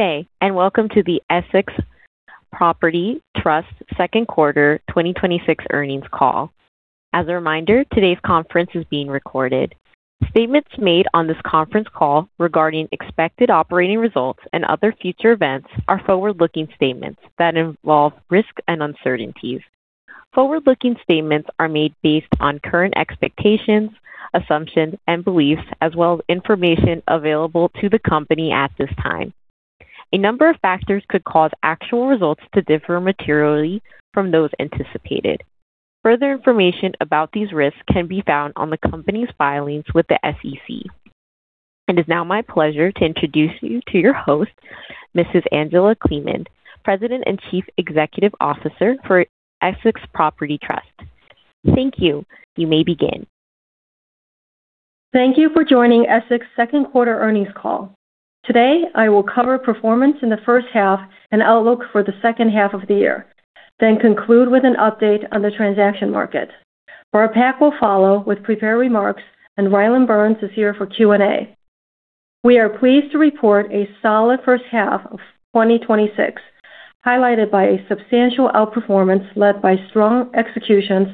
Good day, welcome to the Essex Property Trust second quarter 2026 earnings call. As a reminder, today's conference is being recorded. Statements made on this conference call regarding expected operating results and other future events are forward-looking statements that involve risks and uncertainties. Forward-looking statements are made based on current expectations, assumptions, and beliefs, as well as information available to the company at this time. A number of factors could cause actual results to differ materially from those anticipated. Further information about these risks can be found on the company's filings with the SEC. It is now my pleasure to introduce you to your host, Mrs. Angela Kleiman, President and Chief Executive Officer for Essex Property Trust. Thank you. You may begin. Thank you for joining Essex second quarter earnings call. Today, I will cover performance in the first half and outlook for the second half of the year, then conclude with an update on the transaction market. Barb Pak will follow with prepared remarks, and Rylan Burns is here for Q&A. We are pleased to report a solid first half of 2026, highlighted by a substantial outperformance led by strong executions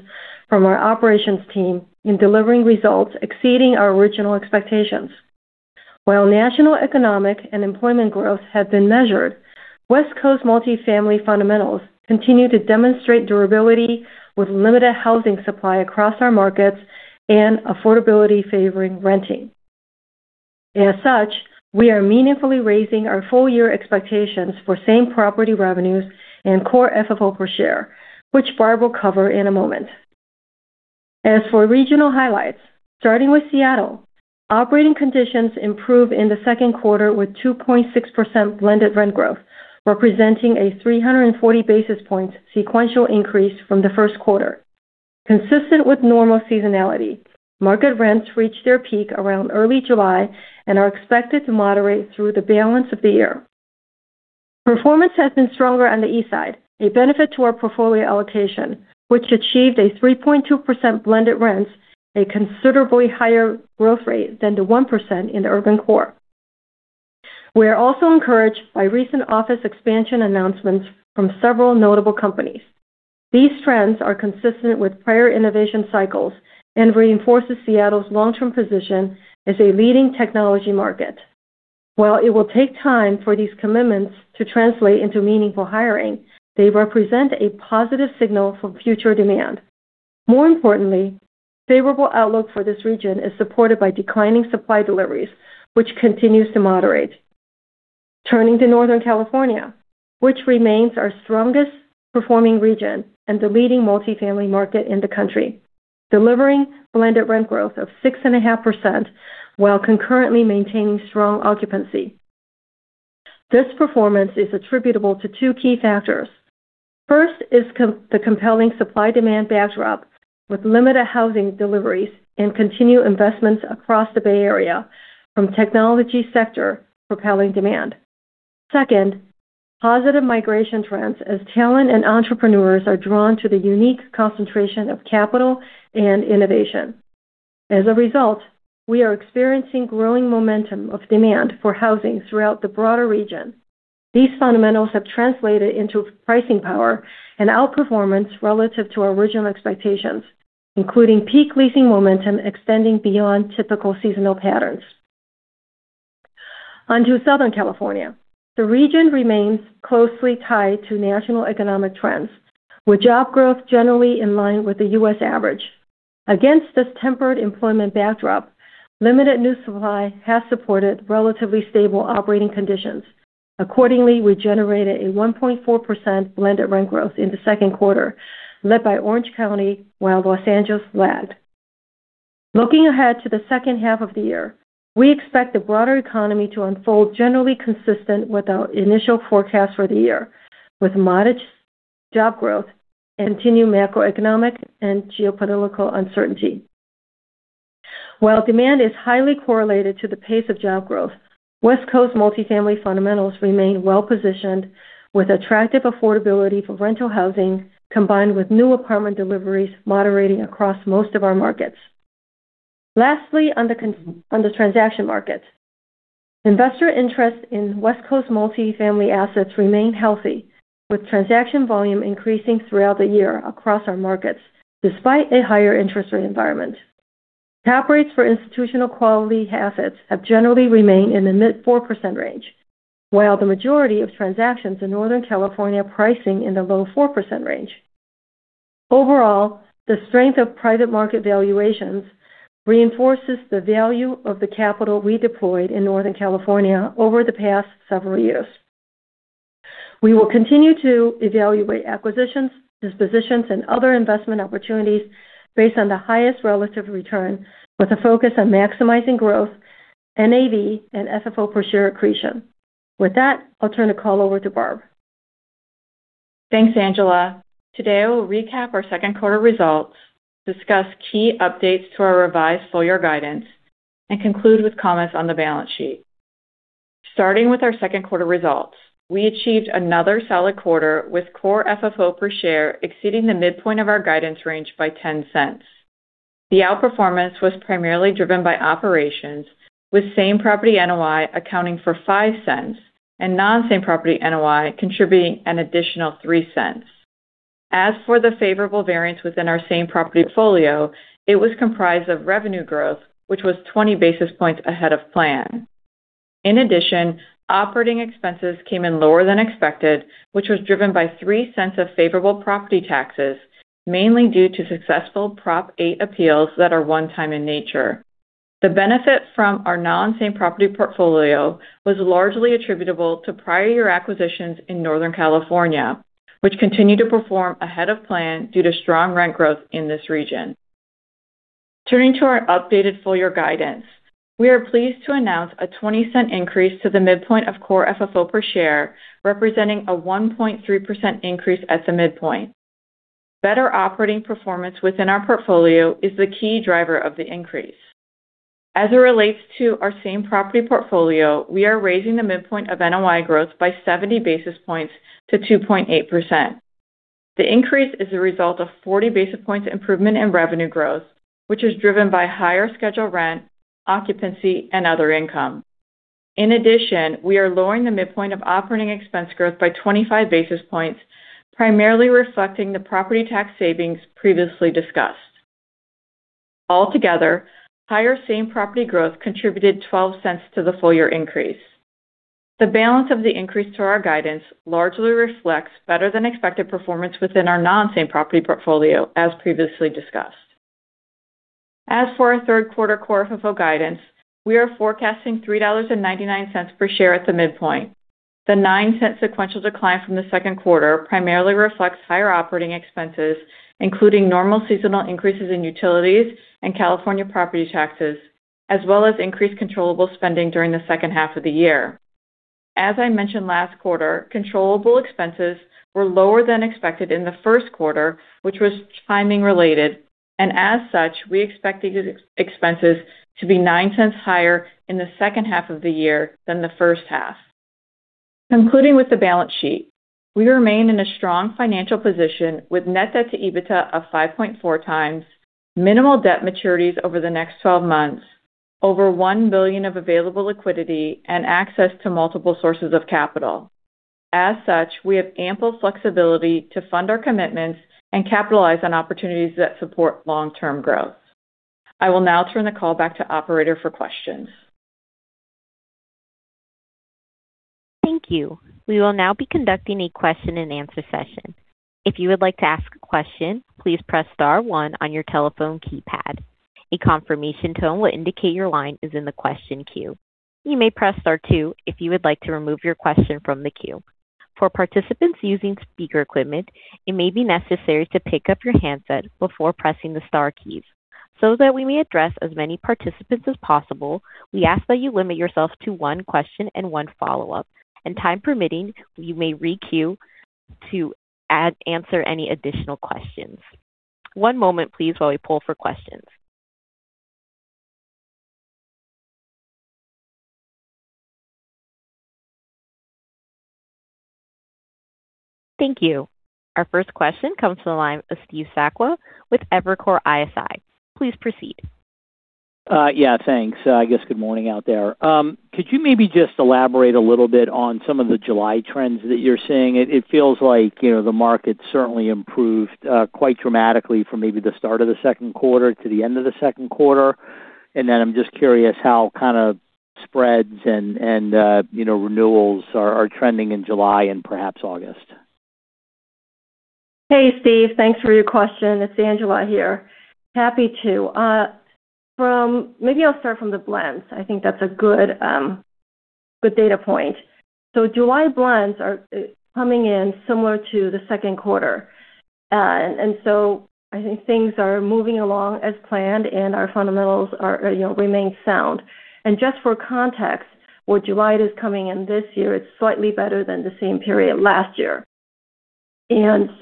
from our operations team in delivering results exceeding our original expectations. While national economic and employment growth have been measured, West Coast multifamily fundamentals continue to demonstrate durability with limited housing supply across our markets and affordability favoring renting. We are meaningfully raising our full-year expectations for same property revenues and Core FFO per share, which Barb will cover in a moment. For regional highlights, starting with Seattle. Operating conditions improved in the second quarter with 2.6% blended rent growth, representing a 340 basis points sequential increase from the first quarter. Consistent with normal seasonality, market rents reached their peak around early July and are expected to moderate through the balance of the year. Performance has been stronger on the East Side, a benefit to our portfolio allocation, which achieved a 3.2% blended rents, a considerably higher growth rate than the 1% in the urban core. We are also encouraged by recent office expansion announcements from several notable companies. These trends are consistent with prior innovation cycles and reinforces Seattle's long-term position as a leading technology market. While it will take time for these commitments to translate into meaningful hiring, they represent a positive signal for future demand. Favorable outlook for this region is supported by declining supply deliveries, which continues to moderate. Turning to Northern California, which remains our strongest performing region and the leading multifamily market in the country, delivering blended rent growth of 6.5% while concurrently maintaining strong occupancy. This performance is attributable to two key factors. First is the compelling supply-demand backdrop with limited housing deliveries and continued investments across the Bay Area from technology sector propelling demand. Second, positive migration trends as talent and entrepreneurs are drawn to the unique concentration of capital and innovation. We are experiencing growing momentum of demand for housing throughout the broader region. These fundamentals have translated into pricing power and outperformance relative to our original expectations, including peak leasing momentum extending beyond typical seasonal patterns. On to Southern California. The region remains closely tied to national economic trends, with job growth generally in line with the U.S. average. Against this tempered employment backdrop, limited new supply has supported relatively stable operating conditions. Accordingly, we generated a 1.4% blended rent growth in the second quarter, led by Orange County, while Los Angeles lagged. Looking ahead to the second half of the year, we expect the broader economy to unfold generally consistent with our initial forecast for the year, with modest job growth and continued macroeconomic and geopolitical uncertainty. While demand is highly correlated to the pace of job growth, West Coast multifamily fundamentals remain well-positioned with attractive affordability for rental housing, combined with new apartment deliveries moderating across most of our markets. Lastly, on the transaction market. Investor interest in West Coast multifamily assets remain healthy, with transaction volume increasing throughout the year across our markets, despite a higher interest rate environment. Cap rates for institutional quality assets have generally remained in the mid 4% range, while the majority of transactions in Northern California pricing in the low 4% range. Overall, the strength of private market valuations reinforces the value of the capital we deployed in Northern California over the past several years. We will continue to evaluate acquisitions, dispositions, and other investment opportunities based on the highest relative return, with a focus on maximizing growth, NAV, and FFO per share accretion. With that, I'll turn the call over to Barb. Thanks, Angela. Today, I will recap our second quarter results, discuss key updates to our revised full-year guidance, and conclude with comments on the balance sheet. Starting with our second quarter results. We achieved another solid quarter with Core FFO per share exceeding the midpoint of our guidance range by $0.10. The outperformance was primarily driven by operations with same-property NOI accounting for $0.05 and non-same-property NOI contributing an additional $0.03. As for the favorable variance within our same-property portfolio, it was comprised of revenue growth, which was 20 basis points ahead of plan. In addition, operating expenses came in lower than expected, which was driven by $0.03 of favorable property taxes, mainly due to successful Prop 8 appeals that are one-time in nature. The benefit from our non-same-property portfolio was largely attributable to prior year acquisitions in Northern California, which continue to perform ahead of plan due to strong rent growth in this region. Turning to our updated full-year guidance, we are pleased to announce a $0.20 increase to the midpoint of Core FFO per share, representing a 1.3% increase at the midpoint. Better operating performance within our portfolio is the key driver of the increase. As it relates to our same-property portfolio, we are raising the midpoint of NOI growth by 70 basis points to 2.8%. The increase is a result of 40 basis points improvement in revenue growth, which is driven by higher scheduled rent, occupancy, and other income. In addition, we are lowering the midpoint of operating expense growth by 25 basis points, primarily reflecting the property tax savings previously discussed. Altogether, higher same-property growth contributed $0.12 to the full-year increase. The balance of the increase to our guidance largely reflects better than expected performance within our non-same-property portfolio, as previously discussed. As for our third quarter Core FFO guidance, we are forecasting $3.99 per share at the midpoint. The $0.09 sequential decline from the second quarter primarily reflects higher operating expenses, including normal seasonal increases in utilities and California property taxes, as well as increased controllable spending during the second half of the year. As I mentioned last quarter, controllable expenses were lower than expected in the first quarter, which was timing related, and as such, we expect these expenses to be $0.09 higher in the second half of the year than the first half. Concluding with the balance sheet, we remain in a strong financial position with net debt to EBITDA of 5.4 times, minimal debt maturities over the next 12 months, over $1 billion of available liquidity, and access to multiple sources of capital. As such, we have ample flexibility to fund our commitments and capitalize on opportunities that support long-term growth. I will now turn the call back to operator for questions. Thank you. We will now be conducting a question-and-answer session. If you would like to ask a question, please press star one on your telephone keypad. A confirmation tone will indicate your line is in the question queue. You may press star two if you would like to remove your question from the queue. For participants using speaker equipment, it may be necessary to pick up your handset before pressing the star keys. That we may address as many participants as possible, we ask that you limit yourself to one question and one follow-up, and time permitting, you may re-queue to add answer any additional questions. One moment please while we poll for questions. Thank you. Our first question comes to the line of Steve Sakwa with Evercore ISI. Please proceed. Yeah, thanks. I guess good morning out there. Could you maybe just elaborate a little bit on some of the July trends that you're seeing? It feels like the market certainly improved, quite dramatically from maybe the start of the second quarter to the end of the second quarter. Then I'm just curious how kind of spreads and renewals are trending in July and perhaps August. Hey, Steve. Thanks for your question. It's Angela here. Happy to. Maybe I'll start from the blends. I think that's a good data point. July blends are coming in similar to the second quarter. I think things are moving along as planned and our fundamentals remain sound. Just for context, where July is coming in this year, it's slightly better than the same period last year. If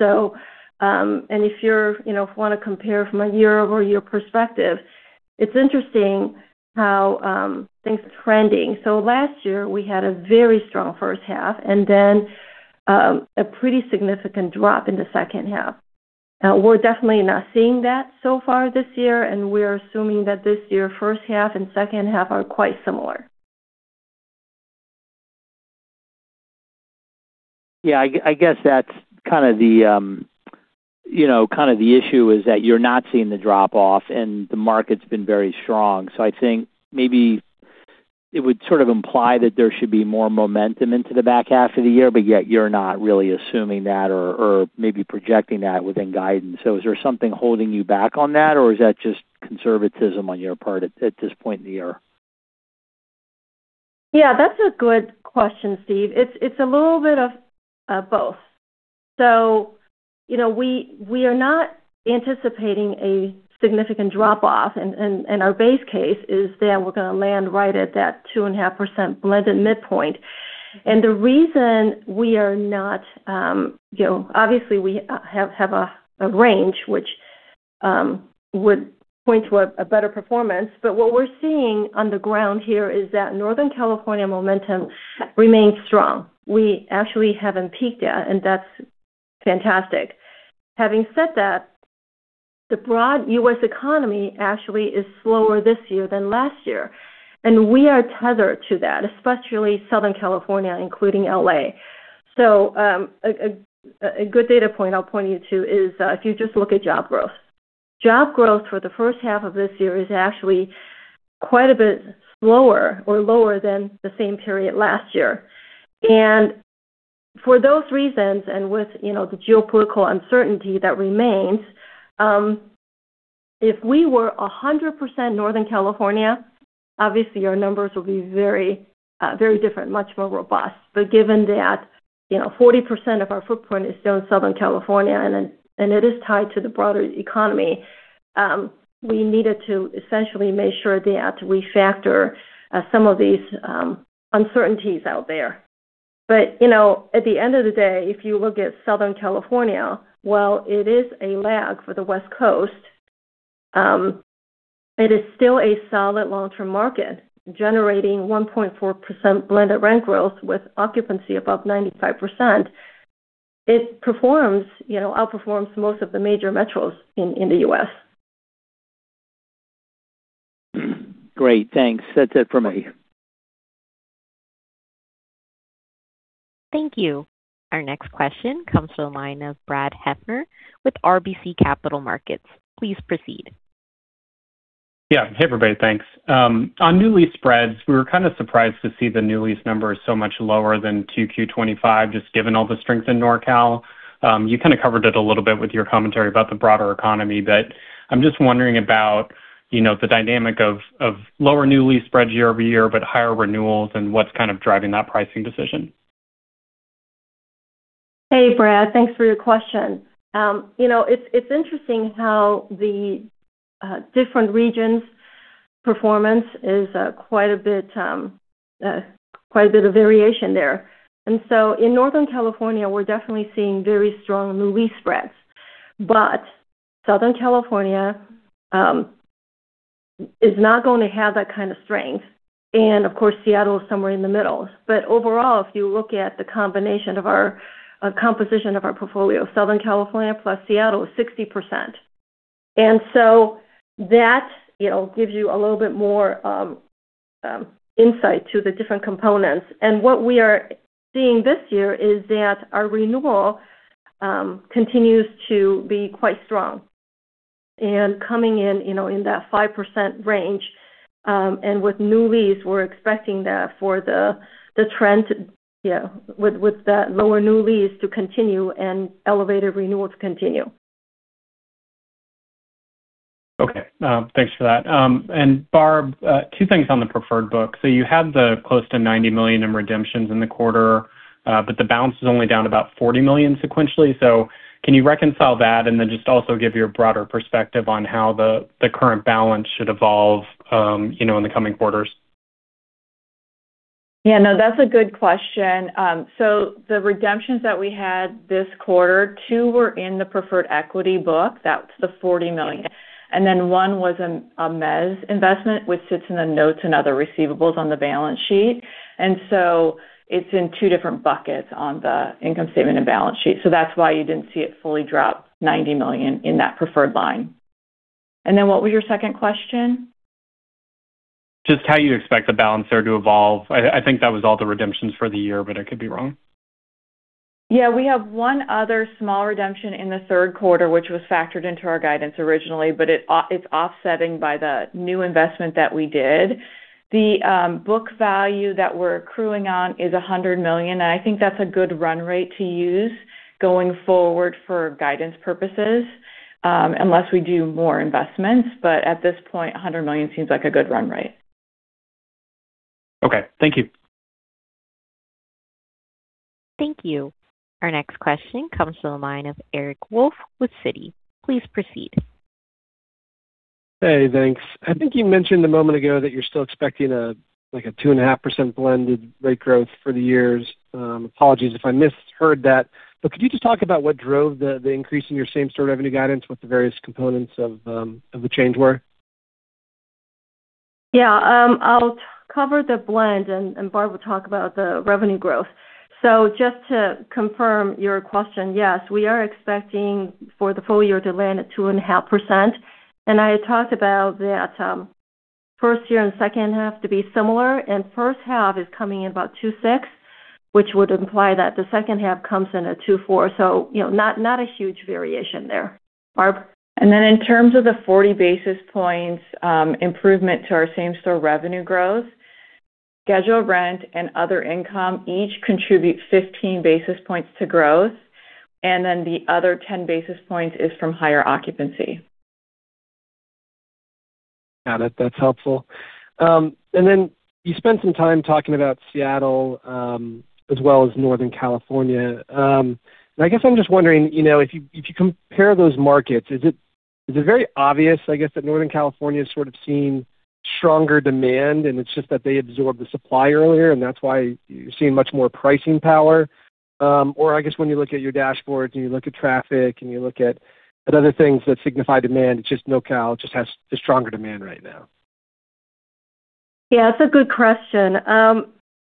you want to compare from a year-over-year perspective, it's interesting how things are trending. Last year, we had a very strong first half and then a pretty significant drop in the second half. We're definitely not seeing that so far this year, and we are assuming that this year, first half and second half are quite similar. I guess that's kind of the issue is that you're not seeing the drop-off and the market's been very strong. I think maybe it would sort of imply that there should be more momentum into the back half of the year, but yet you're not really assuming that or maybe projecting that within guidance. Is there something holding you back on that, or is that just conservatism on your part at this point in the year? That's a good question, Steve. It's a little bit of both. We are not anticipating a significant drop-off, and our base case is that we're going to land right at that 2.5% blended midpoint. The reason we are not-- obviously, we have a range which would point to a better performance. What we're seeing on the ground here is that Northern California momentum remains strong. We actually haven't peaked yet, and that's Fantastic. Having said that, the broad U.S. economy actually is slower this year than last year, and we are tethered to that, especially Southern California, including L.A. A good data point I'll point you to is if you just look at job growth. Job growth for the first half of this year is actually quite a bit slower or lower than the same period last year. For those reasons, and with the geopolitical uncertainty that remains, if we were 100% Northern California, obviously our numbers would be very different, much more robust. But given that 40% of our footprint is still in Southern California, and it is tied to the broader economy, we needed to essentially make sure that we factor some of these uncertainties out there. At the end of the day, if you look at Southern California, while it is a lag for the West Coast, it is still a solid long-term market, generating 1.4% blended rent growth with occupancy above 95%. It outperforms most of the major metros in the U.S. Great, thanks. That's it for me. Thank you. Our next question comes to the line of Brad Heffern with RBC Capital Markets. Please proceed. Yeah. Hey, everybody. Thanks. On new lease spreads, we were kind of surprised to see the new lease numbers so much lower than 2Q 2025, just given all the strength in NorCal. You kind of covered it a little bit with your commentary about the broader economy, but I'm just wondering about the dynamic of lower new lease spreads year-over-year, but higher renewals and what's kind of driving that pricing decision. Hey, Brad. Thanks for your question. It's interesting how the different regions' performance is quite a bit of variation there. In Northern California, we're definitely seeing very strong new lease spreads. Southern California is not going to have that kind of strength. Of course, Seattle is somewhere in the middle. Overall, if you look at the composition of our portfolio, Southern California plus Seattle is 60%. That gives you a little bit more insight to the different components. What we are seeing this year is that our renewal continues to be quite strong and coming in that 5% range. With new lease, we're expecting that for the trend with that lower new lease to continue and elevated renewal to continue. Okay. Thanks for that. Barb, two things on the preferred book. You had the close to $90 million in redemptions in the quarter, but the balance is only down about $40 million sequentially. Can you reconcile that and then just also give your broader perspective on how the current balance should evolve in the coming quarters? Yeah, no, that's a good question. The redemptions that we had this quarter, two were in the preferred equity book. That's the $40 million. One was a mezz investment, which sits in the notes and other receivables on the balance sheet. It's in two different buckets on the income statement and balance sheet. That's why you didn't see it fully drop $90 million in that preferred line. What was your second question? Just how you expect the balance there to evolve. I think that was all the redemptions for the year, but I could be wrong. Yeah, we have one other small redemption in the third quarter, which was factored into our guidance originally, but it's offsetting by the new investment that we did. The book value that we're accruing on is $100 million, and I think that's a good run rate to use going forward for guidance purposes, unless we do more investments. At this point, $100 million seems like a good run rate. Okay. Thank you. Thank you. Our next question comes to the line of Eric Wolfe with Citi. Please proceed. Hey, thanks. I think you mentioned a moment ago that you're still expecting a 2.5% blended rent growth for the years. Apologies if I misheard that, could you just talk about what drove the increase in your same-store revenue guidance, what the various components of the change were? Yeah. I'll cover the blend, and Barb will talk about the revenue growth. Just to confirm your question, yes, we are expecting for the full year to land at 2.5%. I had talked about that first year and second half to be similar, and first half is coming in about 2.6, which would imply that the second half comes in at 2.4, not a huge variation there. Barb? In terms of the 40 basis points improvement to our same-store revenue growth, scheduled rent and other income each contribute 15 basis points to growth, then the other 10 basis points is from higher occupancy. Got it. That's helpful. You spent some time talking about Seattle as well as Northern California. I guess I'm just wondering, if you compare those markets, is it very obvious, I guess, that Northern California is sort of seeing stronger demand and it's just that they absorbed the supply earlier and that's why you're seeing much more pricing power? I guess when you look at your dashboards and you look at traffic and you look at other things that signify demand, it's just NorCal just has the stronger demand right now? Yeah, that's a good question.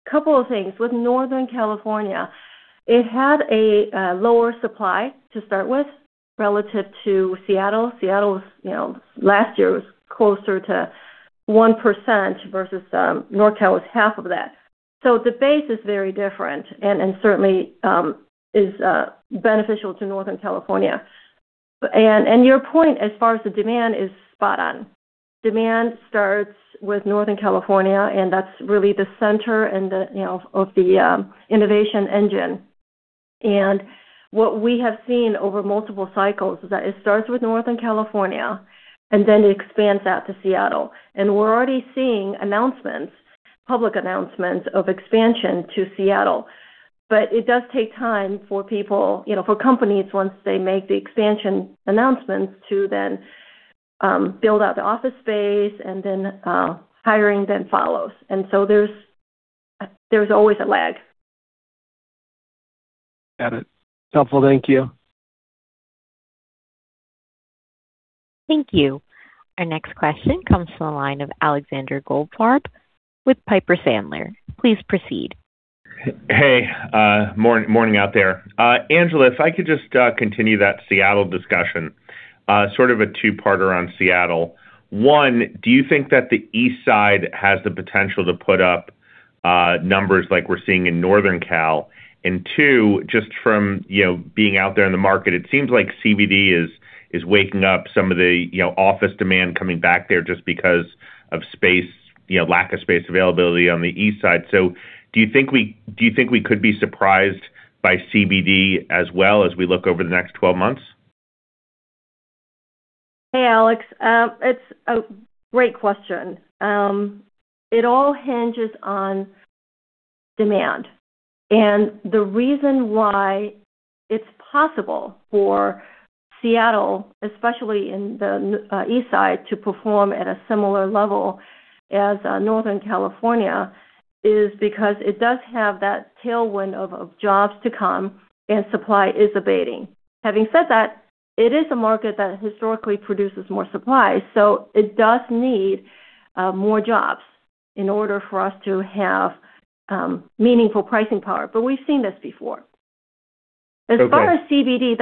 Couple of things. With Northern California, it had a lower supply to start with relative to Seattle. Seattle last year was closer to 1% versus NorCal was half of that. The base is very different and certainly is beneficial to Northern California. Your point as far as the demand is spot on. Demand starts with Northern California, and that's really the center of the innovation engine. What we have seen over multiple cycles is that it starts with Northern California and then it expands out to Seattle. We're already seeing public announcements of expansion to Seattle. It does take time for companies, once they make the expansion announcements, to then build out the office space, then hiring then follows. There's always a lag. Got it. Helpful. Thank you. Thank you. Our next question comes from the line of Alexander Goldfarb with Piper Sandler. Please proceed. Hey. Morning out there. Angela, if I could just continue that Seattle discussion, sort of a two-parter on Seattle. One, do you think that the East Side has the potential to put up numbers like we're seeing in Northern Cal? Two, just from being out there in the market, it seems like CBD is waking up some of the office demand coming back there just because of lack of space availability on the East Side. Do you think we could be surprised by CBD as well as we look over the next 12 months? Hey, Alex. It's a great question. It all hinges on demand and the reason why it's possible for Seattle, especially in the East Side, to perform at a similar level as Northern California is because it does have that tailwind of jobs to come and supply is abating. Having said that, it is a market that historically produces more supply, so it does need more jobs in order for us to have meaningful pricing power. We've seen this before. Okay. As far as the CBD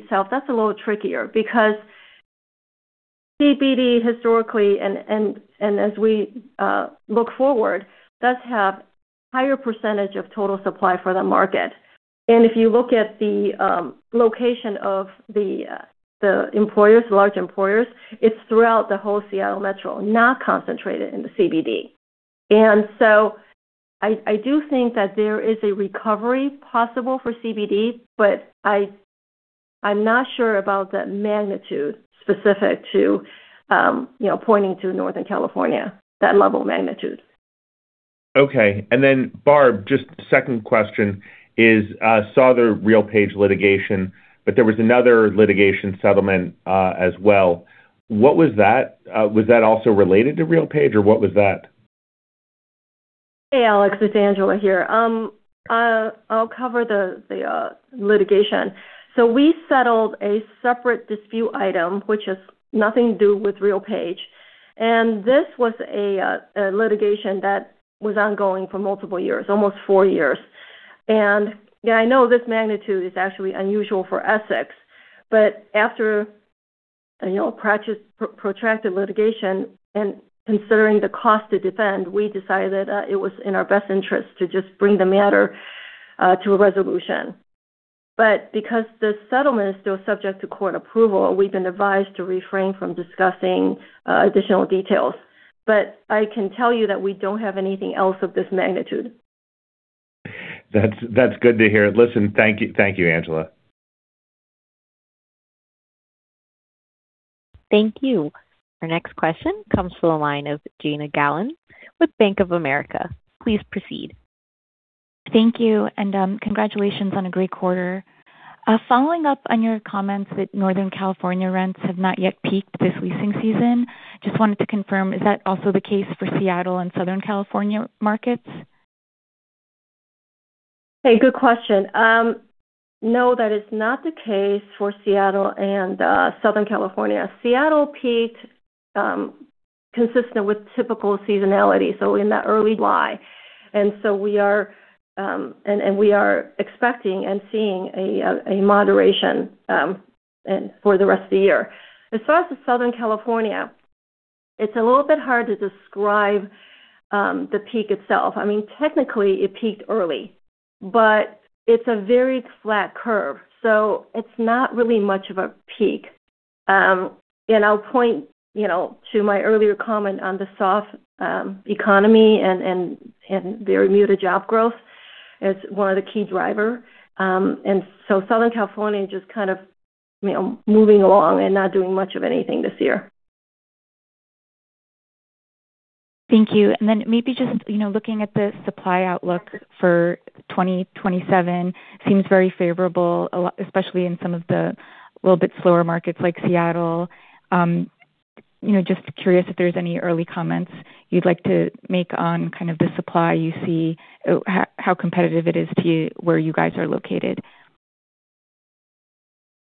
itself, that's a little trickier because CBD historically, and as we look forward, does have higher percentage of total supply for the market. If you look at the location of the large employers, it's throughout the whole Seattle metro, not concentrated in the CBD. I do think that there is a recovery possible for CBD, but I'm not sure about the magnitude specific to pointing to Northern California, that level magnitude. Okay. Barb, just second question is, saw the RealPage litigation, but there was another litigation settlement as well. What was that? Was that also related to RealPage, or what was that? Hey, Alex, it's Angela here. I'll cover the litigation. We settled a separate dispute item, which has nothing to do with RealPage. This was a litigation that was ongoing for multiple years, almost four years. I know this magnitude is actually unusual for Essex, but after a protracted litigation and considering the cost to defend, we decided that it was in our best interest to just bring the matter to a resolution. Because the settlement is still subject to court approval, we've been advised to refrain from discussing additional details. I can tell you that we don't have anything else of this magnitude. That's good to hear. Listen, thank you, Angela. Thank you. Our next question comes from the line of Jana Galan with Bank of America. Please proceed. Thank you. Congratulations on a great quarter. Following up on your comments that Northern California rents have not yet peaked this leasing season, just wanted to confirm, is that also the case for Seattle and Southern California markets? Hey, good question. No, that is not the case for Seattle and Southern California. Seattle peaked consistent with typical seasonality, so in that early July. We are expecting and seeing a moderation for the rest of the year. As far as the Southern California, it's a little bit hard to describe the peak itself. I mean, technically it peaked early, but it's a very flat curve, so it's not really much of a peak. I'll point to my earlier comment on the soft economy and very muted job growth as one of the key driver. Southern California is just kind of moving along and not doing much of anything this year. Thank you. Then maybe just looking at the supply outlook for 2027 seems very favorable, especially in some of the little bit slower markets like Seattle. Just curious if there's any early comments you'd like to make on kind of the supply you see, how competitive it is to where you guys are located.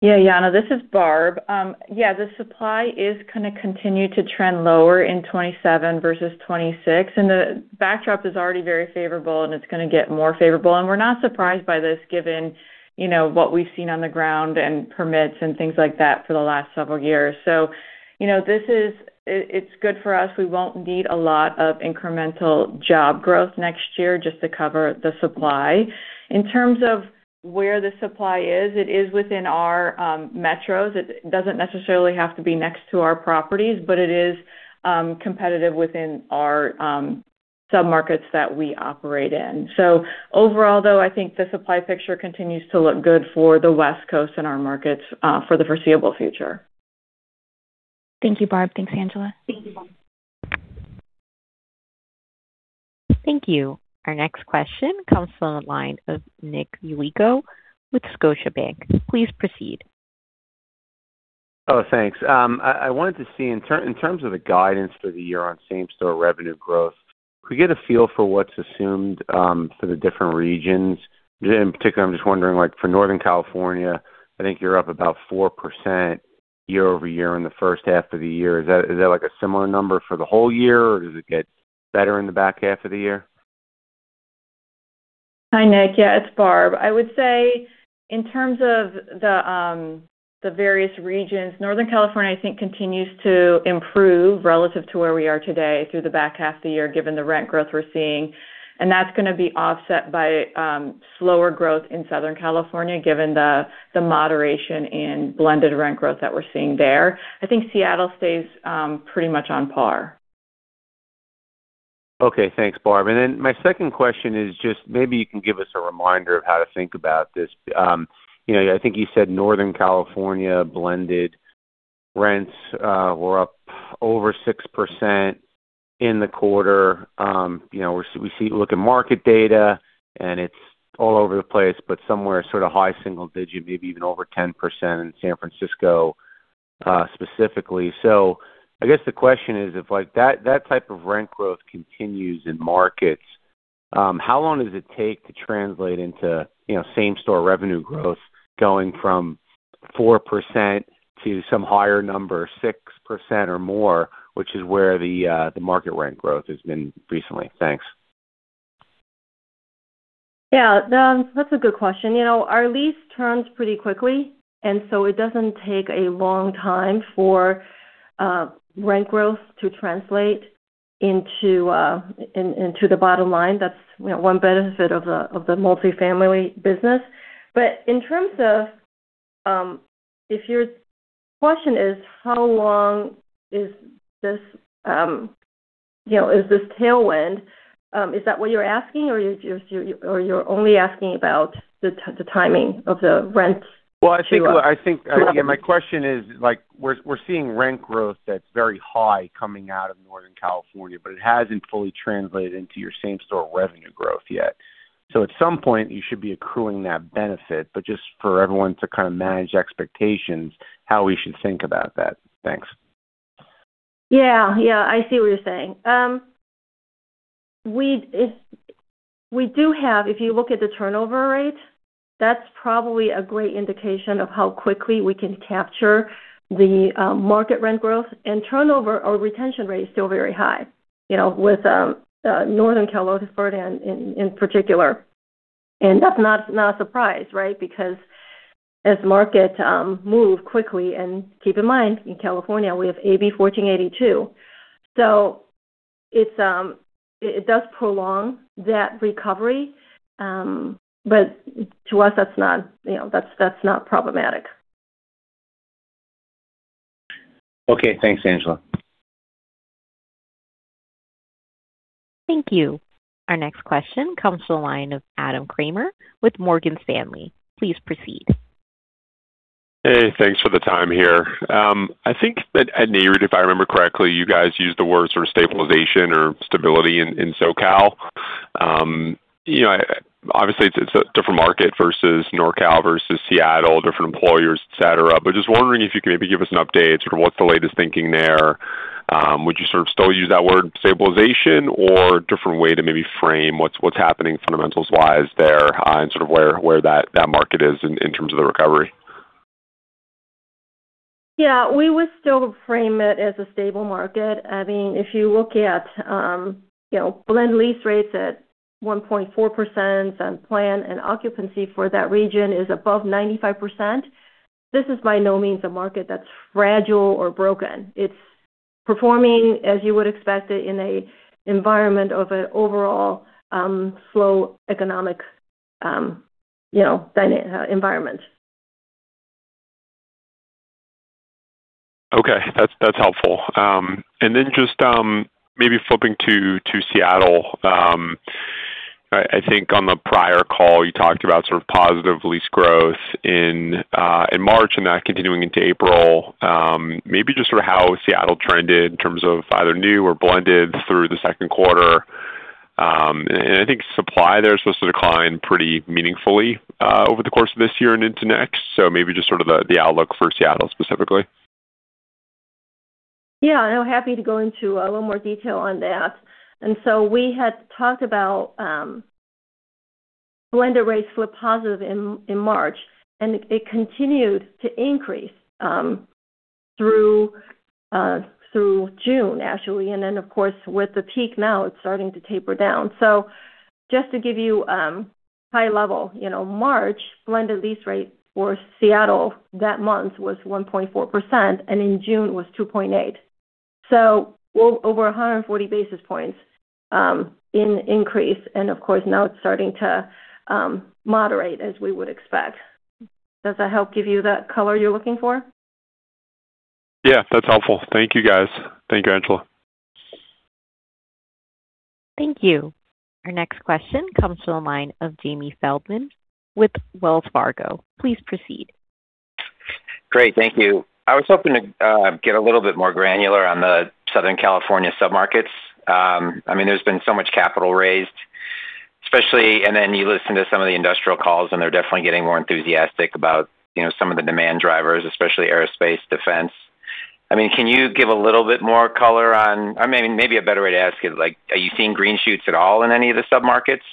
Jana, this is Barb. The supply is going to continue to trend lower in 2027 versus 2026, and the backdrop is already very favorable, and it's going to get more favorable. We're not surprised by this given what we've seen on the ground and permits and things like that for the last several years. It's good for us. We won't need a lot of incremental job growth next year just to cover the supply. In terms of where the supply is, it is within our metros. It doesn't necessarily have to be next to our properties, but it is competitive within our sub-markets that we operate in. Overall, though, I think the supply picture continues to look good for the West Coast and our markets for the foreseeable future. Thank you, Barb. Thanks, Angela. Thank you, Jana. Thank you. Our next question comes from the line of Nick Yulico with Scotiabank. Please proceed. Oh, thanks. I wanted to see in terms of the guidance for the year on same-store revenue growth, could we get a feel for what's assumed for the different regions? In particular, I'm just wondering, like for Northern California, I think you're up about 4% year-over-year in the first half of the year. Is that like a similar number for the whole year, or does it get better in the back half of the year? Hi, Nick. Yeah, it's Barb. I would say in terms of the various regions, Northern California, I think continues to improve relative to where we are today through the back half of the year, given the rent growth we're seeing. That's going to be offset by slower growth in Southern California, given the moderation in blended rent growth that we're seeing there. I think Seattle stays pretty much on par. Okay. Thanks, Barb. My second question is just maybe you can give us a reminder of how to think about this. I think you said Northern California blended rents were up over 6% in the quarter. We look at market data, and it's all over the place, but somewhere sort of high single digit, maybe even over 10% in San Francisco, specifically. I guess the question is, if that type of rent growth continues in markets, how long does it take to translate into same-store revenue growth going from 4% to some higher number, 6% or more, which is where the market rent growth has been recently? Thanks. Yeah. That's a good question. Our lease turns pretty quickly, so it doesn't take a long time for rent growth to translate into the bottom line. That's one benefit of the multifamily business. In terms of if your question is how long is this tailwind, is that what you're asking? You're only asking about the timing of the rent to- I think my question is like, we're seeing rent growth that's very high coming out of Northern California, but it hasn't fully translated into your same-store revenue growth yet. At some point, you should be accruing that benefit. Just for everyone to kind of manage expectations, how we should think about that. Thanks. Yeah. I see what you're saying. We do have, if you look at the turnover rate, that's probably a great indication of how quickly we can capture the market rent growth and turnover. Our retention rate is still very high with Northern California in particular. That's not a surprise, right? Because as markets move quickly, and keep in mind, in California, we have AB 1482. It does prolong that recovery. To us, that's not problematic. Okay. Thanks, Angela. Thank you. Our next question comes to the line of Adam Kramer with Morgan Stanley. Please proceed. Hey, thanks for the time here. I think that at Nareit, if I remember correctly, you guys used the word sort of stabilization or stability in SoCal. Obviously, it is a different market versus NorCal versus Seattle, different employers, et cetera. Just wondering if you could maybe give us an update, sort of what is the latest thinking there. Would you sort of still use that word stabilization or different way to maybe frame what is happening fundamentals wise there and sort of where that market is in terms of the recovery? Yeah. We would still frame it as a stable market. If you look at blend lease rates at 1.4% and occupancy for that region is above 95%, this is by no means a market that is fragile or broken. It is performing as you would expect it in an environment of an overall slow economic environment. Okay. That is helpful. Just maybe flipping to Seattle. I think on the prior call, you talked about sort of positive lease growth in March and that continuing into April. Maybe just sort of how Seattle trended in terms of either new or blended through the second quarter. I think supply there is supposed to decline pretty meaningfully over the course of this year and into next. Maybe just sort of the outlook for Seattle specifically. Yeah, I am happy to go into a little more detail on that. We had talked about blended rates flipped positive in March, and it continued to increase through June, actually. Then, of course, with the peak now, it is starting to taper down. Just to give you high level, March blended lease rate for Seattle that month was 1.4%, and in June was 2.8%. Over 140 basis points in increase. Of course, now it is starting to moderate as we would expect. Does that help give you that color you are looking for? That's helpful. Thank you, guys. Thank you, Angela. Thank you. Our next question comes to the line of Jamie Feldman with Wells Fargo. Please proceed. Great. Thank you. I was hoping to get a little bit more granular on the Southern California submarkets. There's been so much capital raised, especially, and then you listen to some of the industrial calls, and they're definitely getting more enthusiastic about some of the demand drivers, especially aerospace defense. Can you give a little bit more color or maybe a better way to ask it, are you seeing green shoots at all in any of the submarkets?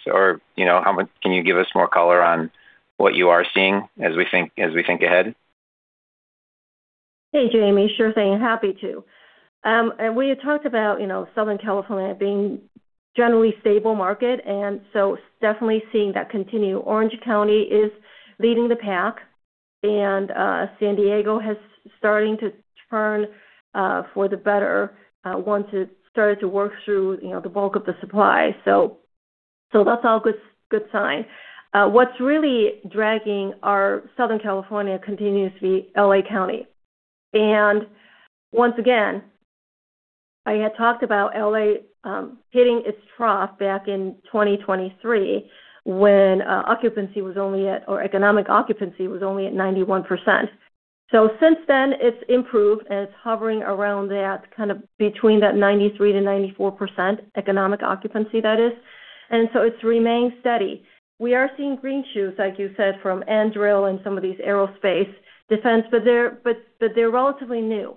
Can you give us more color on what you are seeing as we think ahead? Hey, Jamie. Sure thing. Happy to. We had talked about Southern California being generally stable market, definitely seeing that continue. Orange County is leading the pack, and San Diego has starting to turn for the better once it started to work through the bulk of the supply. That's all good sign. What's really dragging our Southern California continues to be L.A. County. Once again, I had talked about L.A. hitting its trough back in 2023 when economic occupancy was only at 91%. Since then, it's improved, and it's hovering around that, kind of between that 93%-94% economic occupancy, that is. It's remained steady. We are seeing green shoots, like you said, from Anduril and some of these aerospace defense, but they're relatively new.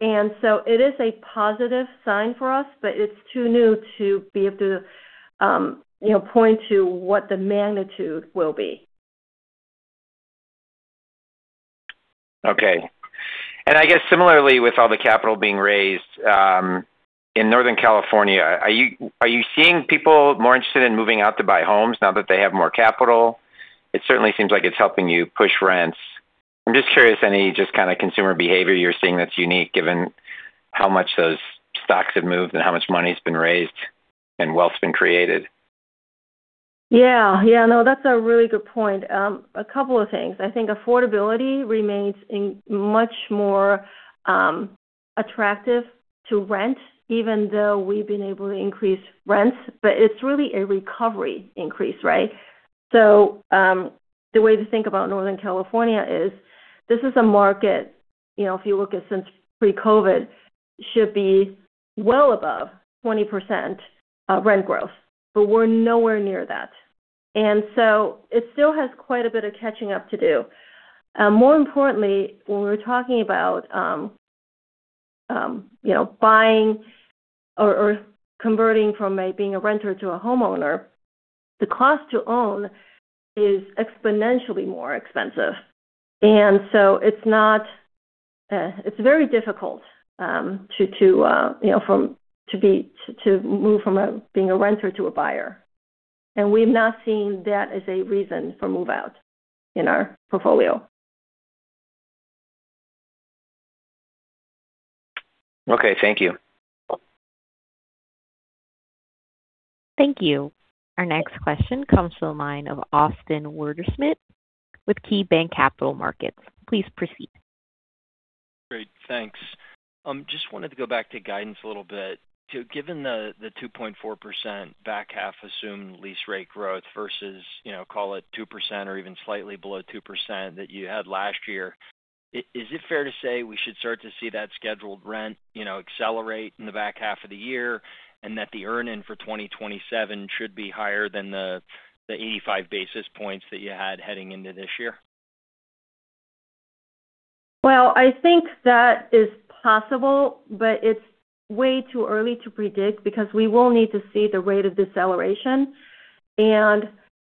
It is a positive sign for us, but it's too new to be able to point to what the magnitude will be. Okay. I guess similarly with all the capital being raised in Northern California, are you seeing people more interested in moving out to buy homes now that they have more capital? It certainly seems like it's helping you push rents. I'm just curious, any just kind of consumer behavior you're seeing that's unique given how much those stocks have moved and how much money's been raised and wealth's been created. No, that's a really good point. A couple of things. I think affordability remains much more attractive to rent, even though we've been able to increase rents, but it's really a recovery increase, right? The way to think about Northern California is this is a market, if you look at since pre-COVID, should be well above 20% rent growth, but we're nowhere near that. It still has quite a bit of catching up to do. More importantly, when we're talking about buying or converting from being a renter to a homeowner, the cost to own is exponentially more expensive. It's very difficult to move from being a renter to a buyer. We've not seen that as a reason for move-out in our portfolio. Okay. Thank you. Thank you. Our next question comes to the line of Austin Wurschmidt with KeyBanc Capital Markets. Please proceed. Great. Thanks. Just wanted to go back to guidance a little bit. Given the 2.4% back half assumed lease rate growth versus, call it 2% or even slightly below 2% that you had last year, is it fair to say we should start to see that scheduled rent accelerate in the back half of the year and that the earn-in for 2027 should be higher than the 85 basis points that you had heading into this year? I think that is possible, but it's way too early to predict because we will need to see the rate of deceleration.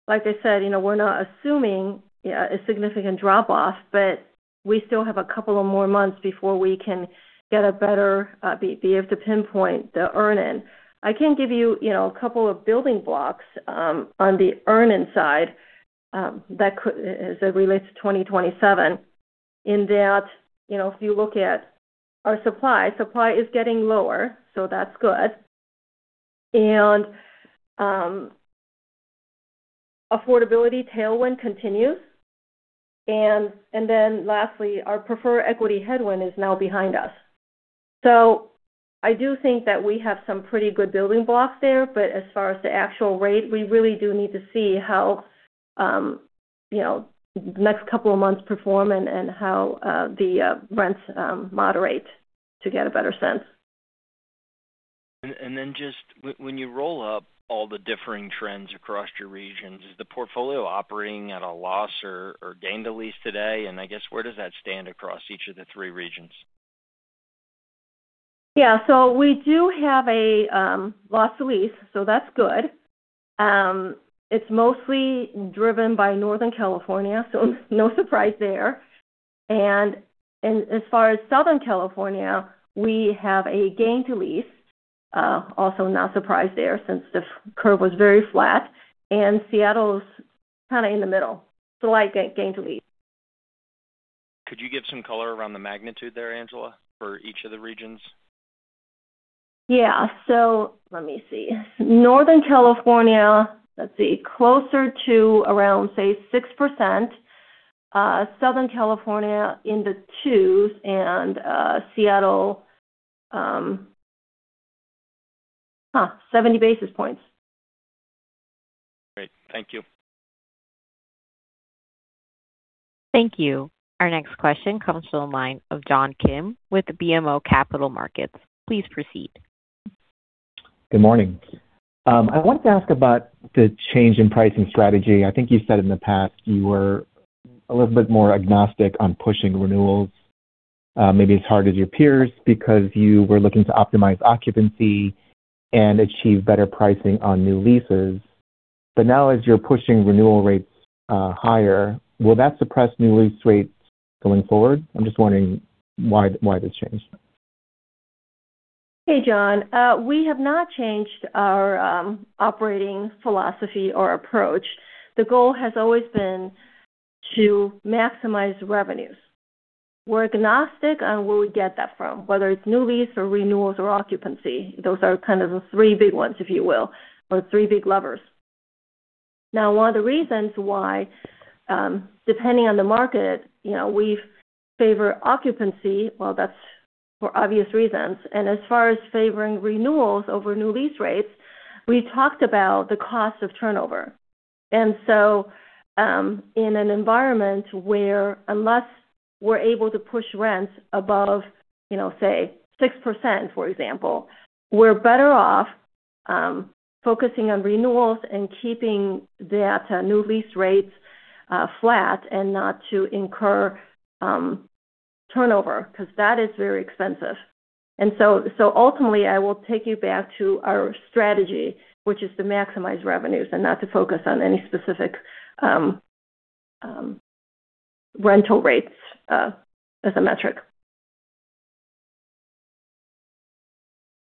Like I said, we're not assuming a significant drop-off, but we still have a couple of more months before we can be able to pinpoint the earn-in. I can give you a couple of building blocks on the earn-in side as it relates to 2027, in that, if you look at our supply is getting lower, that's good. Affordability tailwind continues. Lastly, our preferred equity headwind is now behind us. I do think that we have some pretty good building blocks there, but as far as the actual rate, we really do need to see how the next couple of months perform and how the rents moderate to get a better sense. Just when you roll up all the differing trends across your regions, is the portfolio operating at a loss or gain to lease today? I guess where does that stand across each of the three regions? Yeah. We do have a loss to lease, that's good. It's mostly driven by Northern California, no surprise there. As far as Southern California, we have a gain to lease. Also not surprised there, since the curve was very flat, Seattle's kind of in the middle. Slight gain to lease. Could you give some color around the magnitude there, Angela, for each of the regions? Yeah. Let me see. Northern California, let's see, closer to around, say, 6%. Southern California in the twos, Seattle, 70 basis points. Great. Thank you. Thank you. Our next question comes to the line of John Kim with BMO Capital Markets. Please proceed. Good morning. I wanted to ask about the change in pricing strategy. I think you said in the past you were a little bit more agnostic on pushing renewals, maybe as hard as your peers, because you were looking to optimize occupancy and achieve better pricing on new leases. Now, as you're pushing renewal rates higher, will that suppress new lease rates going forward? I'm just wondering why this changed. Hey, John. We have not changed our operating philosophy or approach. The goal has always been to maximize revenues. We're agnostic on where we get that from, whether it's new lease or renewals or occupancy. Those are kind of the three big ones, if you will, or the three big levers. One of the reasons why, depending on the market, we favor occupancy, well, that's for obvious reasons. As far as favoring renewals over new lease rates, we talked about the cost of turnover. So, in an environment where unless we're able to push rents above say, 6%, for example, we're better off focusing on renewals and keeping that new lease rates flat and not to incur turnover, because that is very expensive. Ultimately, I will take you back to our strategy, which is to maximize revenues and not to focus on any specific rental rates as a metric.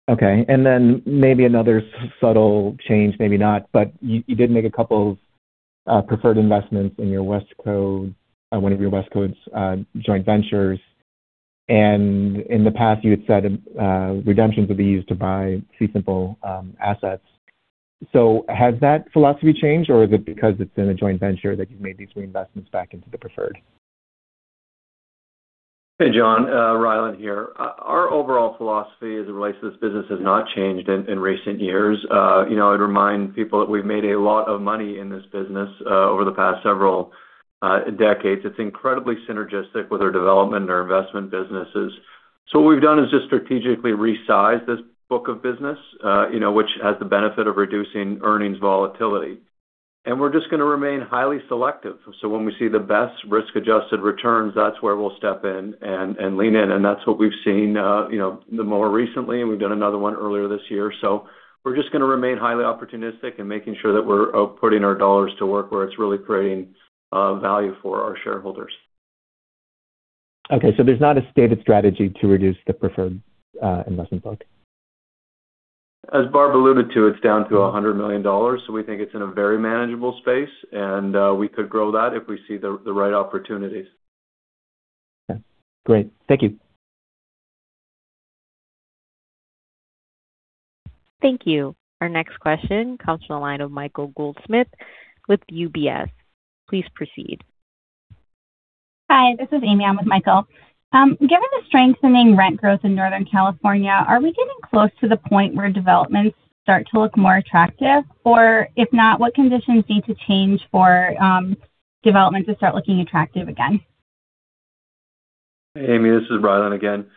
Okay. Maybe another subtle change, maybe not, but you did make a couple of preferred investments in one of your West Coast joint ventures. In the past you had said redemptions would be used to buy simple assets. Has that philosophy changed, or is it because it's in a joint venture that you've made these reinvestments back into the preferred? Hey, John. Rylan here. Our overall philosophy as it relates to this business has not changed in recent years. I'd remind people that we've made a lot of money in this business over the past several decades. It's incredibly synergistic with our development and our investment businesses. What we've done is just strategically resized this book of business, which has the benefit of reducing earnings volatility. We're just going to remain highly selective. When we see the best risk-adjusted returns, that's where we'll step in and lean in. That's what we've seen the more recently, and we've done another one earlier this year. We're just going to remain highly opportunistic and making sure that we're putting our dollars to work where it's really creating value for our shareholders. Okay, there's not a stated strategy to reduce the preferred investment book. As Barb alluded to, it's down to $100 million. We think it's in a very manageable space, and we could grow that if we see the right opportunities. Okay, great. Thank you. Thank you. Our next question comes from the line of Michael Goldsmith with UBS. Please proceed. Hi, this is Amy. I'm with Michael. Given the strengthening rent growth in Northern California, are we getting close to the point where developments start to look more attractive? If not, what conditions need to change for developments to start looking attractive again? Hey, Amy, this is Rylan again.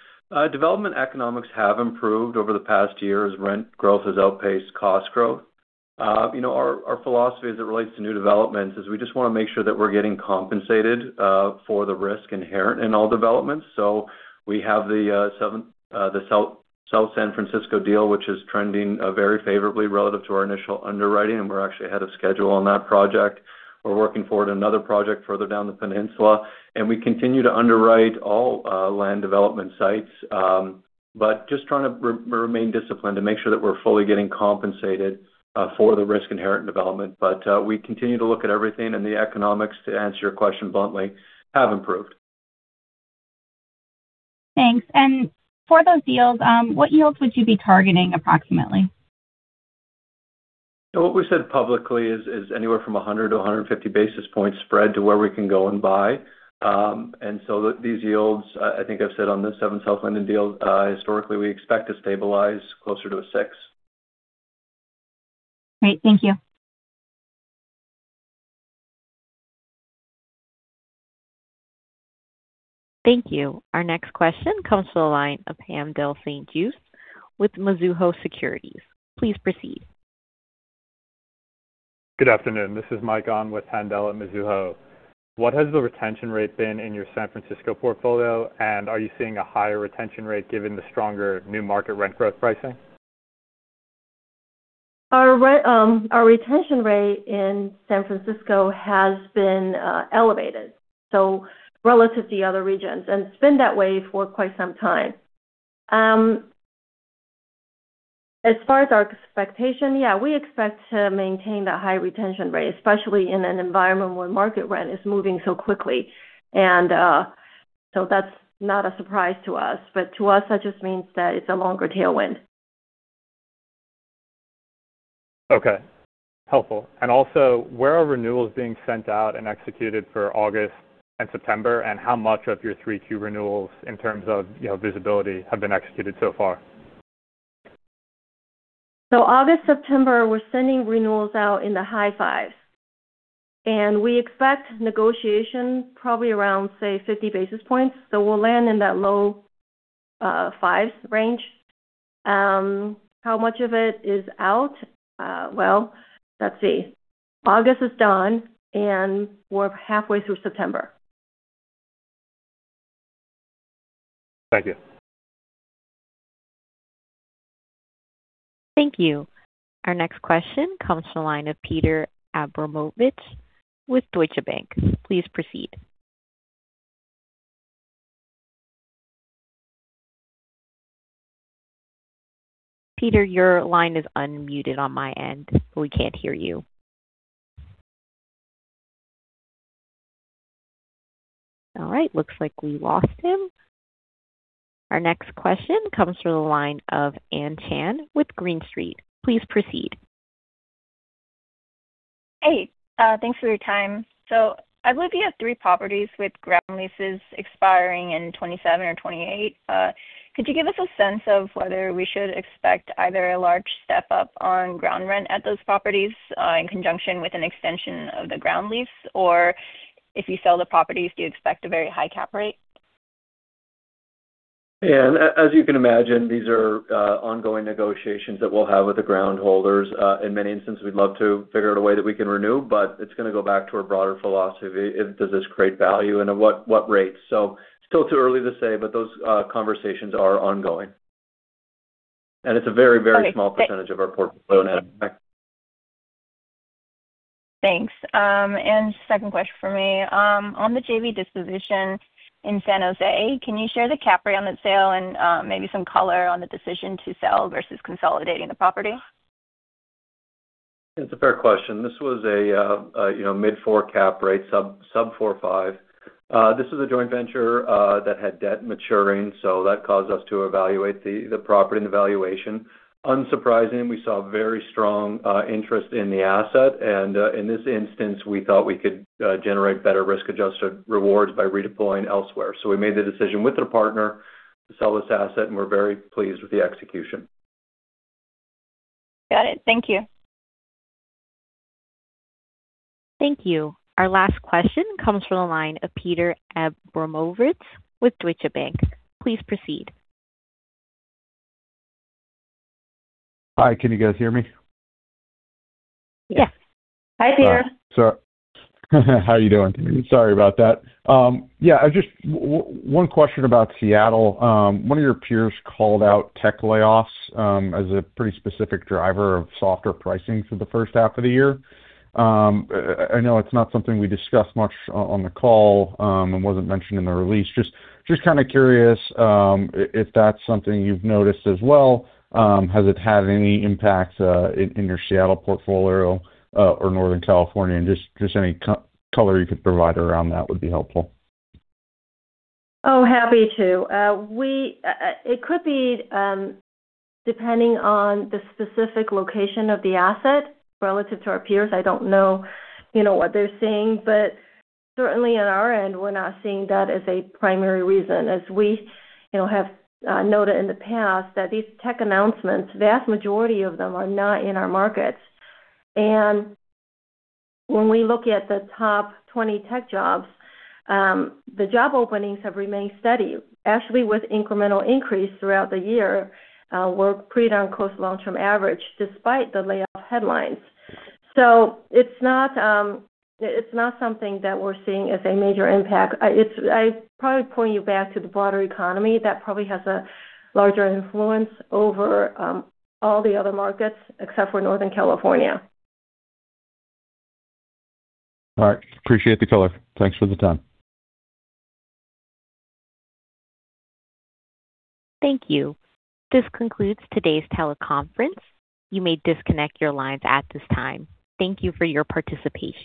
Development economics have improved over the past year as rent growth has outpaced cost growth. Our philosophy as it relates to new developments is we just want to make sure that we're getting compensated for the risk inherent in all developments. We have the South San Francisco deal, which is trending very favorably relative to our initial underwriting, and we're actually ahead of schedule on that project. We're working toward another project further down the peninsula, and we continue to underwrite all land development sites. Just trying to remain disciplined to make sure that we're fully getting compensated for the risk inherent in development. We continue to look at everything and the economics, to answer your question bluntly, have improved. Thanks. For those deals, what yields would you be targeting approximately? What we said publicly is anywhere from 100 to 150 basis points spread to where we can go and buy. These yields, I think I've said on the 7 South Linden deal historically, we expect to stabilize closer to a six. Great. Thank you. Thank you. Our next question comes to the line of Haendel St. Juste with Mizuho Securities. Please proceed. Good afternoon. This is Mike on with Haendel at Mizuho. What has the retention rate been in your San Francisco portfolio, and are you seeing a higher retention rate given the stronger new market rent growth pricing? Our retention rate in San Francisco has been elevated, relative to other regions, and it's been that way for quite some time. As far as our expectation, yeah, we expect to maintain that high retention rate, especially in an environment where market rent is moving so quickly. That's not a surprise to us, but to us, that just means that it's a longer tailwind. Okay. Helpful. Where are renewals being sent out and executed for August and September, and how much of your Q3 renewals in terms of visibility have been executed so far? August, September, we're sending renewals out in the high fives. We expect negotiation probably around, say, 50 basis points. We'll land in that low fives range. How much of it is out? Well, let's see. August is done, and we're halfway through September. Thank you. Thank you. Our next question comes from the line of Peter Abramowitz with Deutsche Bank. Please proceed. Peter, your line is unmuted on my end. We can't hear you. All right, looks like we lost him. Our next question comes from the line of Anne Tan with Green Street. Please proceed. Hey. Thanks for your time. I believe you have three properties with ground leases expiring in 2027 or 2028. Could you give us a sense of whether we should expect either a large step-up on ground rent at those properties, in conjunction with an extension of the ground lease, or if you sell the properties, do you expect a very high cap rate? Anne, as you can imagine, these are ongoing negotiations that we'll have with the ground holders. In many instances, we'd love to figure out a way that we can renew, but it's going to go back to our broader philosophy. Does this create value, and at what rates? Still too early to say, but those conversations are ongoing. It's a very, very small percentage of our portfolio to have an effect. Thanks. Second question for me. On the JV disposition in San Jose, can you share the cap rate on that sale and maybe some color on the decision to sell versus consolidating the property? It's a fair question. This was a mid four cap rate, sub four, five. This was a joint venture that had debt maturing, that caused us to evaluate the property and the valuation. Unsurprising, we saw very strong interest in the asset, in this instance, we thought we could generate better risk-adjusted rewards by redeploying elsewhere. We made the decision with the partner to sell this asset, and we're very pleased with the execution. Got it. Thank you. Thank you. Our last question comes from the line of Peter Abramowitz with Deutsche Bank. Please proceed. Hi, can you guys hear me? Yes. Hi, Peter. How are you doing? Sorry about that. Yeah. One question about Seattle. One of your peers called out tech layoffs as a pretty specific driver of softer pricing for the first half of the year. I know it's not something we discussed much on the call and wasn't mentioned in the release. Just kind of curious if that's something you've noticed as well. Has it had any impact in your Seattle portfolio or Northern California? Just any color you could provide around that would be helpful. Happy to. It could be depending on the specific location of the asset relative to our peers. I don't know what they're seeing, but certainly on our end, we're not seeing that as a primary reason. As we have noted in the past that these tech announcements, vast majority of them are not in our markets. When we look at the top 20 tech jobs, the job openings have remained steady. Actually, with incremental increase throughout the year, we're pretty on close long-term average despite the layoff headlines. It's not something that we're seeing as a major impact. I'd probably point you back to the broader economy. That probably has a larger influence over all the other markets except for Northern California. All right. Appreciate the color. Thanks for the time. Thank you. This concludes today's teleconference. You may disconnect your lines at this time. Thank you for your participation.